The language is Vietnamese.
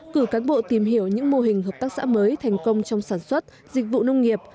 cử cán bộ tìm hiểu những mô hình hợp tác xã mới thành công trong sản xuất dịch vụ nông nghiệp